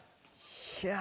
いや。